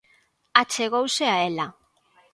Achegouse a ela.